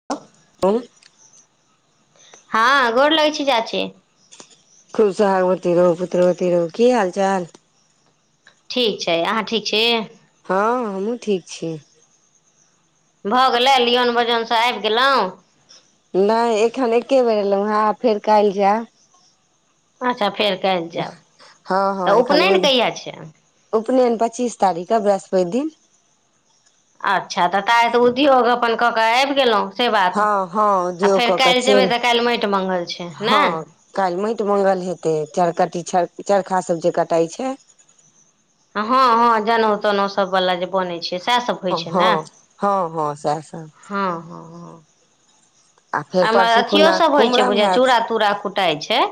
अ कौन हँ गोर लगै छी चाची खूब सौभाग्यवती रहुँ पुत्रवती रहुँ की हालचाल ठीक छै अहाँ ठीक छी हँ हमहूँ ठीक छी भऽ गेलै लियओन बजोनसँ आबि गेलहुँ नहि एखन एके बेर ऐलहुँ हँ आब फेर काल्हि जायब अच्छा फेर काल्हि जायब हँ हँ तऽ उपनयन एखन कहिया छै उपनयन पच्चीस तारीखके बृहस्पति दिन अच्छा तऽ त आइ तऽ उद्योग अपन कऽ कऽ आबि गेलहुँ से बात हँ हँ आ दियौ फेर कऽ के काल्हि चलि जेबय तऽ काल्हि माटि मंगल छै ने हँ काल्हि माटि मंगल हेते चरकटी चरखा सब जे कटाई छै हँ हँ जनेउ तनेउ सब वाला जे बनै छै सएह सब ओ हँ हँ हँ सैह सब हँ हँ हँ आ फेर ओम्हर परसू खुना अथियोसभ होइ छै कुम्हरम बुझाय हैत चूड़ा तूरा कुटाइ छै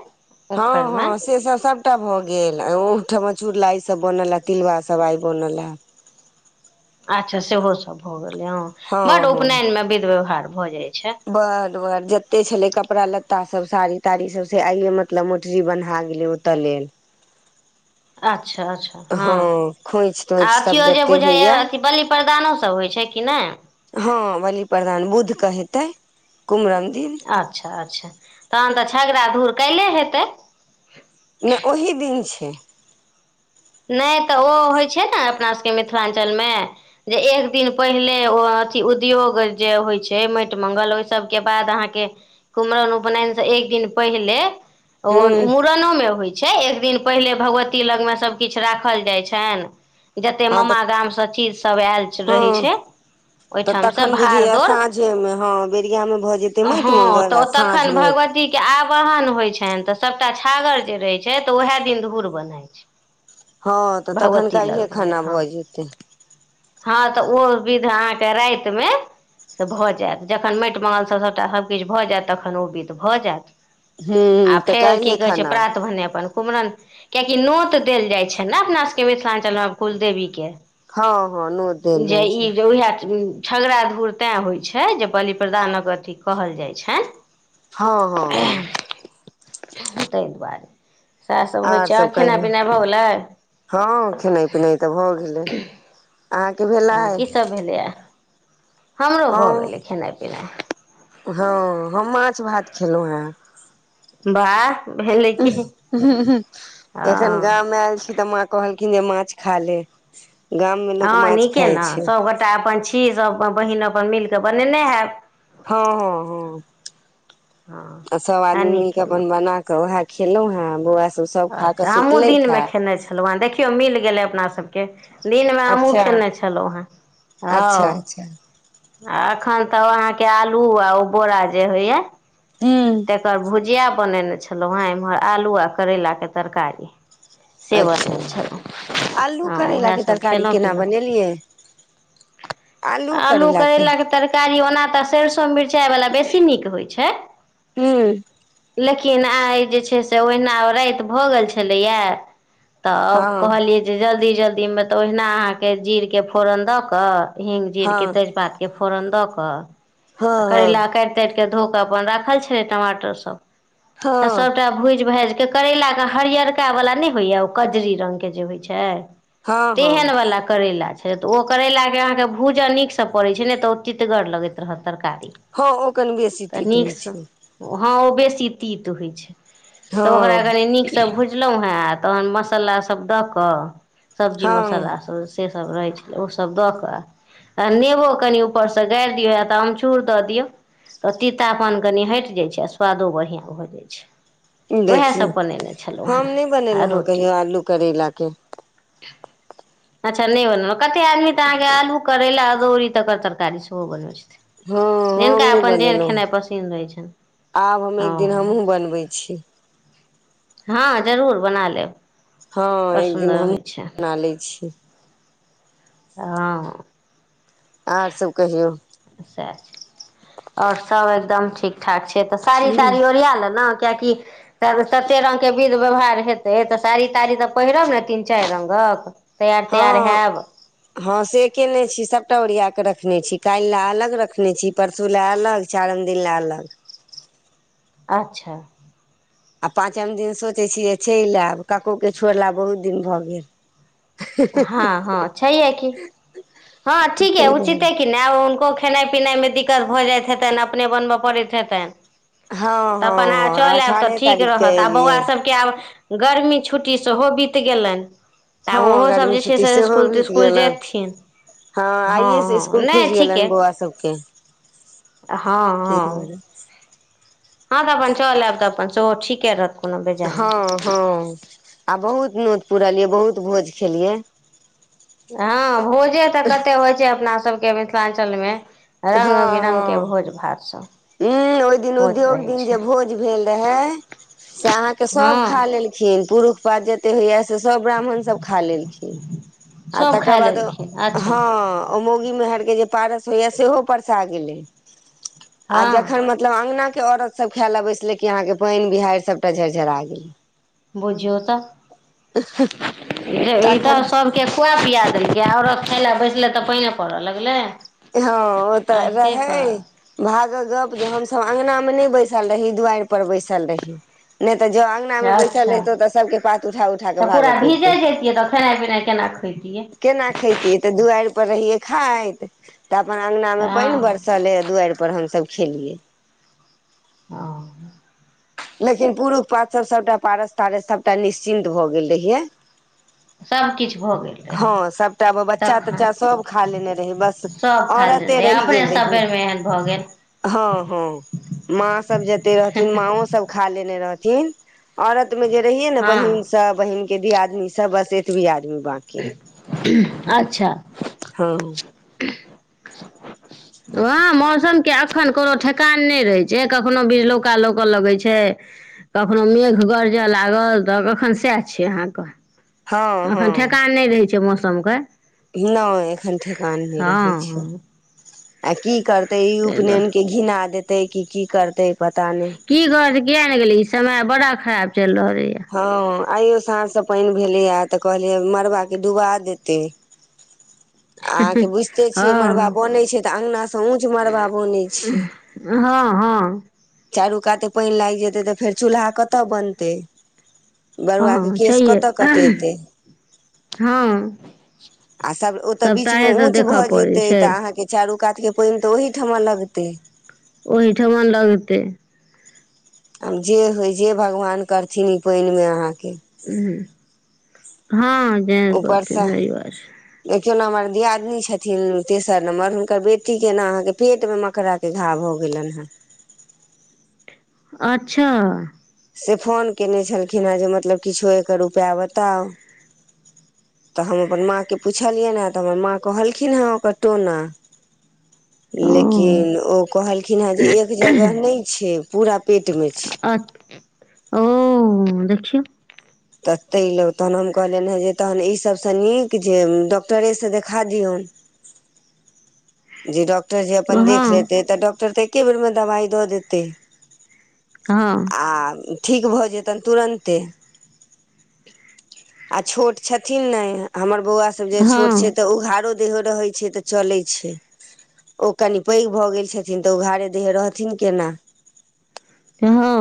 हँ उखड़िमे हँ से सब सभटा भऽ गेल आ ओहिठाम चुरलाइसभ बनल है तिलबा सभ आइ बनल ये अच्छा सेहो सब भए गेले हं बड हँ उपनयन में विध व्यवहार भए जाय छै बड बड जत्ते छलै कपड़ा लत्ता सब साड़ी ताड़ी सब से आइये मतलब मोटरी बन्हा गेलै ओ त लेल [inaudible] अच्छा अच्छा हँ खोंछि आ तोछि सब अथियो जे जते बुझाइय होइया अथि बलि प्रदानो सब होइ छै कि नहि हँ बलि प्रदान बुध के हेतै कुमरम दिन अच्छा अच्छा तहन तऽ झगड़ा धूड़ काल्हिये हेतै नहि ओही दिन छै नहि तऽ ओ होइ छै ने अपना सभके मिथिलांचल मे जे एक दिन पहिले ओ अथि उद्योग जे होइ छै माटि मंगल ओहि सभके बाद अहाँके कुमरम उपनयनसँ एक दिन पहिले ओ हूँ मूड़नोमे होइ छै एक दिन पहिले भगवती लगमे सब किछु राखल जाइत छनि जते हँ तऽ मामा गामसँ चीज सब आयल रहै हँ छै। तऽ ओहिठाम से तखन बुझैया भाड़-दोड़, साँझे मे हँ बेरिया मे भऽ जेतै माटि हँ मंगल तऽ आ ओ साँझ तखन मे भगवती के आवाहन होय छनि तऽ सबटा छागर जे रहे छै तऽ उएहे दिन धूर बन्हाइ छै। हँ तऽ तखन भगवती काल्हिये लगमे खुना हँ भऽ जेतै। हँ तऽ ओ विध अहाँके रातिमे से भऽ जायत, जखन माटि मंगलसँ सभटा सभ किछु भऽ जायत तखन ओ विध भऽ जायत आ हूँ तऽ फेर की काल्हिये कहै छै खाना प्रात भने अपन कुमरम कियाकि नोत देल जाइ छै ने अपना सभके मिथिलांचलमे कुलदेवीके! हँ हँ, नोत देल जे जाइ ई छै जे उएह झगड़ा धूड़ तैँ होइत छै जे बलि प्रदानक अथी कहल जाइत छनि हँ हँ हँ। ताहि दुआरे सएह सभ होइ आर छै सब आओ कहियौ खेनाइ-पीनाइ भऽ गेलै? हँ आ ओ की सभ भेलैए? हमरो भऽ हम गेलै खेनाइ-पिनाइ हँ हम माछ-भात खेलहुँ हेँ बाह! एखन हँ गाम आयल छी तऽ कहलखिन जे माछ खा ले! गाममे लोक माछ खाय छै। तेॅं अपन छी सभ अपन बहिन अपन मिल कऽ बनेने हैब। हँ हँ हँ सब नीक आदमीके केलहुँ अपन बना तऽ वहै खेलहुँहे, बौआ सब सब खा कऽ अच्छा हमहूँ सुतलथि हे दिनमे खेने छलहुँ हे, देखियौ मिल गेलै अपना सभके दिनमे हमहूँ अच्छा खयने छलहुँहे, अच्छा हँ अच्छा आ एखन तऽ ओ अहाँके आलू आ ओ बोरा जे होइया हूँ तकर भुजिया बनेने छलहुँ हेँ, इम्हर आलू आ करैलाके तरकारी से बनै अच्छा छलहुँ, आलू हॅं करैला उएहे के सभ तरकारी खयलहुँ केना पीलहुँए। बनेलियै आलू करैला के करैलाके तर -कारी ओना तऽ सैरसो-मिरचाइ बला बेसी नीक होइत छै! हूँ लेकिन आइ जे छै से ओहिना राति भऽ गेल छलैए तऽ आब हँ कहलियै जे जल्दी-जल्दीमे तऽ ओहिना अहाँके जीरके फोड़न दऽ कऽ हिंग-जीरके हँ हँ तेजपातके फोरन दऽ कऽ आ हँ करैला काटि-ताटि धो कऽ राखल छलै अपन टमाटर सभ, तऽ हँ हँ सभटा भुजि-भाजि कऽ करैलाके हरियरका वाला नहि होइया ओ कजरी रंग के जे होइ छै हँ हँ तेहन वाला करेला छै छै तऽ ओ करैेलाके अहाँके भूजऽ नीकसँ पड़ै छै ने तऽ ओ तितगर लगैत रहत। तरकारी हँ ओ कनि बेसी तऽ तीत होइ नीकसँ, छै हँ ओ बेसी तित होइ छै। तऽ ओकरा हँ कनी नीकसँ भुज -लहुॅंहे, तहन मसाला सब दऽ कऽ सब्जी हँ मसाला सब से सभ रहै छै ओ सभ दऽ कऽ आ नेबो कनि ऊपरसँ गारि दियौ या तऽ अमचूर दऽ दियौ तऽ तीतापन कनि हटि जाइ छै आ सुआदो बढ़ियाँ भऽ जाइ छै उएह देखियौ सभ बनेयने छलहुँ हम हेँ नहि आ बनेलहुँ हेँ रोटी कहियो [inaudible] आलू करैला के अच्छा नहि बनाउ, कते आदमी तऽ अहाँके आलू-करैला-अदौरी तकर तरकारी सेहो बनबै हँ छथि हम जिनका नहि अपन जेहन बनेलहुँ हेँ खेनाइ पसीन रहैत छनि आब हम एक दिन हमहुँ हँ बनबै छी हँ जरूर बना लेब! हँ बड़ एक दिन सुन्दर हमहूँ होइ छै बना लैत छिय हँ आर सब कहियौ अछा अछा [inaudible] आओर सब एकदम ठीक ठाक छै तऽ साड़ी ताड़ी ओरिया ले ने कियकि तऽ तते रंगगके विध व्यवहार हेतै तऽ साड़ी ताड़ी तऽ पहिरब ने तीन चारि रंगक हँ हँ से केयने छी सभटा ओरिया क रखने छी कैल लए अलग रखने छी परसू ला अलग चारम दिनला अलग अच्छा आ पाँचम दिन सोचे छियै चलि आयब कको के छोड़ला बहुत दिन भऽ गेल हँ हँ छैहे की हँ ठीक यय ताहि दुआरे उचिते कि कि नहि हुनको खेनाइ पिनाइ मे दिक्कत भऽ जाइत हेतनि अपने बनबऽ पड़ैत हेतनि हँ तऽ हँ अपन आ हँ चल आयब तऽ अठारहे ठीक तारीख के रहत आ बौआ एलियै सभके आब गरमी छुट्टी सेहो बीत गेलनि तऽ आब हँ ओहोसभ गर्मी जे छै छुट्टी से सेहो इस्कुल बीत तिस्कुल गेलन जयथिन हँ आइे से इसकुल खुजि गेलनि बौआ सबके हँ तै हँ दुआरे हँ तऽ अपन चल आयब तऽ अपन सेहो ठीके रहत कोनो बेजाय नहि हँ हँ आ बहुत नोत पुरलियै बहुत भोज खेलियै हँ भोजे तऽ कतेक होइ छै अपना सभके मिथिलाञ्चलमे रंग बिरङ्गके भोज भात सब ह ओहि दिन उद्योग दिन जे भोज भेल रहे से अहा के सब हँ खाली लेलखिन पुरुख पात जतेक होइया से सभ ब्राह्मण सभ खा लेलखिन आ सभ तकर खाय बाद लेलखिन अच्छा हँ ओ मौगीमेहरके जे पारस होइएा सेहो परसा गेलै आ हँ जखन मतलब अगंना के औरत सब खायलै बैसले कि अहाँके पैन बिहैड़ सभटा झर-झरा गेल बुझियौ तऽ ई तऽ तखन सब के खुआ पिया देलियै आ औरत खाय लए बैसले तऽ पइने पड़ऽ लगलै हँ ओ तऽ आहिरे बा रहै भागअ गप जे हमस अंगना मे नहि बैसल रही दुआरि पर बैसल रही ने ते जे अंगना अंगना मे बैसल अच्छा रहतौ तऽ सबके पात उठा उठा केऽ तऽ पूरा भागऽ भीजे पड़तै जैतियै तऽ खेनाइ पिनाइ केना खैतियै केना खैतियै तऽ दुआर पर रहियै खाइत तऽ अपन अंगना मे हँ पैन बरसले दुआर पर हमसभ खेलियै ओ लेकिन पूरुख पात स सबटा पारस तारस सबटा निश्चिन्त भ गेल रहिये सभकिछु भऽ गेल रहै हँ सबटा बच्चा तखन तच्चा सब खा लेने रहे बस सभ खा लेने औरते रहै रैह अपने गेल रहि सभेरमे एहन भऽ गेल हँ हँ माँ सब जते रहथिन माँओ सब खालेनै रहथिन औरतमे जे रहीये न हँ बहीन सब बहीन दियादनी सब बस एतबी आदमी अच्छा हँ वह मौसमके एखन कोनो ठेकान नहि रहैत छै कखननो बिरलौका लौकय लगैत छै कखनो मेघ गरजय लागल तऽ कखन सएह छियै अहाँके हँ अखन ठेकान नहि रहैत छै मौसमके न एखन ठेकान नहि हँ रहे छै हँ आ की करते ई ताहि दुआरे उपनयन के घिना देतै कि की करतै पता नहि की कहब किया ने गेले ई समय बड़ा खराब चल रहले यऽ हँ आइयो साँझसे पानि भेलैय तऽ कहलियै मड़बाके डुबा देतै अहाँके बुझिते छियै मड़बा हँ बनैत छै तऽ अङ्गनासँ ऊँच मड़बा बनैत छै हँ हँ चारू काते पानि लागि जेतै तऽ फेर चूल्हा कतय बनतै बउआ के हँ केश छैहे कतय कटेतै हँ आ तऽ बीच मे सबटाए तऽ ऊंच देखऽ भ पड़ै जैतऽ छै अहाँ चारू कात के पानि तऽ ओहिठमा लगतै ओहिठमा लगते आब जे होइ जे भगवान करथिन ई पानिमे अहाँके हँ जे करथिन सही बात छै देखियो न हमर दियादनी छथिन तेसर नम्बर हुनकर बेटी केना अहाँ के पेटमे मकरा के घाव भ गेलनि हेँ अच्छा से फोन कयने छलखिन हे जे मतलब किछो एकर उपाय बताउ तऽ हम अपन माँ के पुछलियै ने तऽ हमर माँ कहलखिन हँ ओकर टोना [unintelligible] लेकिन ओ कहलखिन हँ जे एक जगह नहि छै पूरा पेट मे छै अच्छा ओ देखियौ तऽ तेलय तखन हम कहलियनि हँ जे तहन ईसभसँ नीक जे डॉक्टरेसँ देखा दियौन जे डॉक्टर जे अपन देख हँ लेतै तऽ डॉक्टर तऽ एके बेरमे दबाइ दऽ देतै हँ आ ठीक भऽ जेतनि तुरन्ते आ छोट छथिन ने हमर बौआ सब जे छोट छै हँ तऽ उघाड़ो देहो रहै छै तऽ चलै छै ओ कनि पैघ भऽ गेल छथिन तऽ ओ उघोड़े देहे रहथिन केना [unintelligible]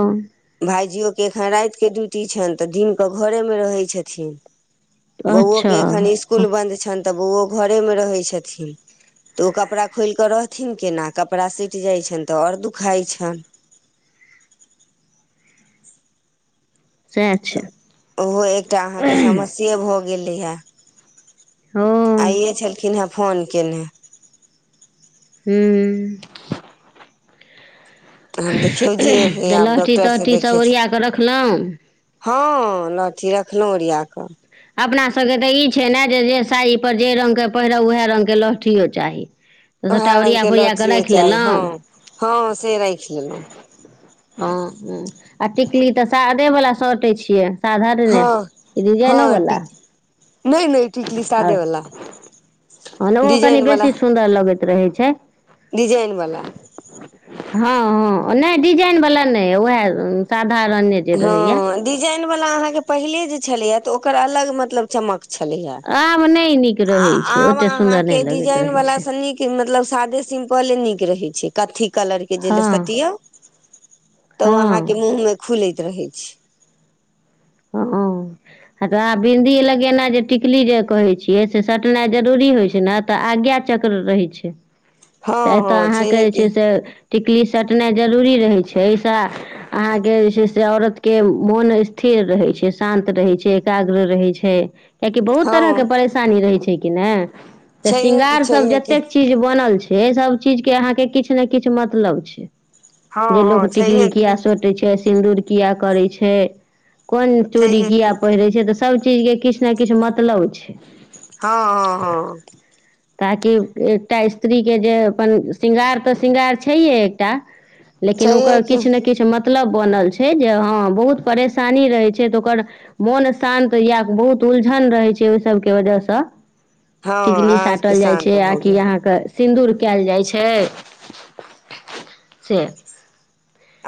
भाइजियोक एखन रातिके ड्यूटी छनि तऽ दिनकऽ घरेमे रहै छथिन अच्छा बौओके एखन स्कुल बन्द छनि तऽ बौओ घरेमे रहै छथिन तऽ ओ कपड़ा खोलि कऽ रहथिन केना कपड़ा सटि जाइत छनि तऽ आओर दुखाइत छनि सएह छै तऽ ओहो एकटा अहाँके समस्या से भऽ गेलै हे ओ आइये छलखिन हँ फोन केने हू अब देखियौ जे होय तऽ आब लहठी डॉक्टर से तहठी सब ओरिया देखेथिन कऽ रखलहुँ हँ लहठी रखलहुँ ओरिया कऽ अपनासभके तऽ ई छै ने जे जे साइीपर जे रंगके पहिरब उएह रंगके लहठिओ चाही तऽ ओएह सभटा रंग ओरिया के पोरिया कऽ लहठियो राखि चाही लेलहुँ हँ हँ से राखि लेलहुँ हँ आ टिकली तऽ सादे बला सटै छियै साधारणे हँ की डिजाईनो हँ बला नहि नहि टीकली सादेवला ह ओ कनि बेसी डिजाइनवला सुन्दर लगैत रहै छै डिजाईन बला हँ हँ नहि डिजाईन बला नहि उएह साधारणे जे रहैया हँ डिजाईन बला अहाँके पहिले जे छलैया तऽ ओकर अलग मतलब चमक छल आब नहि नीक रहै छै आब ओतेक सुन्दर नहि अहाँके लगैत डिजाईन रहै बला छै सँ नीक मतलब सादे सिम्पले नीक रहे छै कथी कलर के जे हँ लक सटियौ तऽ ओ अँहा के हँ मुह में खुलैत रहे छी ह ह त बिंन्दी लगेना जे टिकली जे कहे छियै से सटनाई जरूरी होइ छै ने आगिया चक्र रहे छै हँ अतय हँ आहाँक छैहे की जे छै टिकली सटनाय जरूरी रहे छै ऐ स अहाँ के जे छै से औरत के मोन स्थिर रहै छै शान्त रहे छै एकाग्र रहे छै कियाकि बहुत तरह के हँ परेशानी रहै छै कि नहि तऽ छैहे की श्रृंगार सब छैहे की जतेक चीज बनल छै से सब चीज के अहाँ के किछु ने किछु मतलब छै हँ जे हँ लोक छैहे टिकली किया की साटे छै सिन्दूर किया करै छै कोन चोरी छैहे किया की पहिरे छै तऽ सब चीज के किछ ने किछ मतलब छै हँ हँ हँ [unintelligible] ताकि एकटा स्त्रीके जे अपन श्रृंगार तऽ श्रृंगार छैहे एकटा लेकिन छैहे ओकर की किछ ने किछ मतलब बनल छै जे हँ बहुत परेशानी रहैत छै तऽ ओकर मोन शान्त या बहुत उलझन रहैत छै ओहि सभके वजहसँ हँ टिकली अहाँके साटल जाइ शान्त छै आ भऽ कि गेल अहाँके सिन्दूर कयल जाइ छै से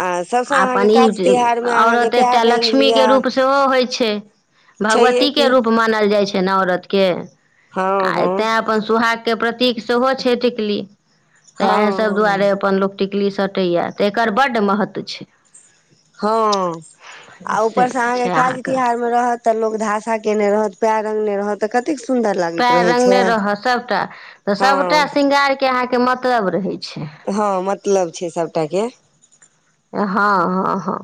आ सभसँ आ अपन अहाँके ई काज जे तिहार मे अहाँके औरते प्यार रंगि लिअ लक्ष्मीके रूप सेहो होइ छै छैहे की भगवतीके रूप मानल जाइ छै न औरत के हँ आ हँ तैं अपन सुहाग के प्रतीक सेहो छै टिकली तऽ हँ इएह सभ दुआरे हँ अपन लोक टिकली सटैया तऽ एकर बड्ड महत्व छै हँ आ ऊपर से अहाँके काज तिहार मे रहत तऽ लोग धासा केने रहत पैर रंगने रहत त कतेक सुंदर लागत पैर रंगने रहत सभटा तऽ सभटा हँ श्रृंगारके अहाँके मतलब रहैत छै हँ मतलब छै सबटा के हँ हँ हँ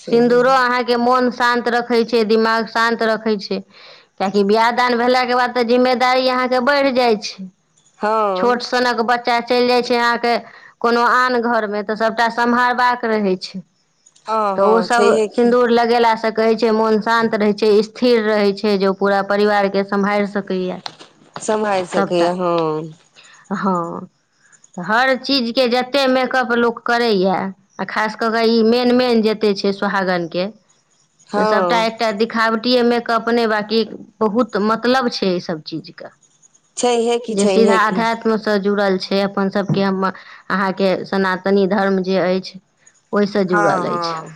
से सिन्दूरो अहाँके मन शान्त रखे छै दिमाग शान्त रखे छै किआकि बियाह दान भेलाक के बाद तऽ जिम्मेदारी अहाँ के बढ़ि जाइ छै छोट हँ सनक बच्चा बच्चा चलि जाइ छै अहाँके कोनो आन घर मे तऽ सबटा सम्हारबाक रहै छै हँ तऽ हँ ओसभ छैहे की सिन्दूर लगेला स कहै छै मोन शान्त रहैत छै स्थिर रहैत छै जे ओ पूरा परिवारके सम्हारि सकैया सम्हारि सकैया हँ हँ तऽ हर चीजके जते मेकअप लोक करैए आ खास कऽ कऽ ई मेन मेन जते छै सुहागनके तऽ सभटा हँ एकटा दिखावटी मेकप अपने बाकी क बहुत मतलब छै ई सब चीज के छईहे कि छईहे कि से जुड़ल छै अपन सभके हम अहाँके सनातनी धर्म जे अछि ओहिसँ हँ जुड़ल अछि हँ